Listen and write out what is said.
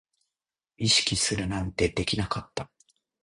意識するなんてできなかった